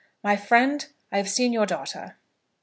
"My friend, I have seen your daughter."